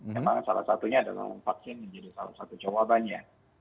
memang salah satunya adalah vaksin menjadi salah satu jawabannya